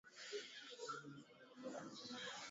Mama ana toka ku mashamba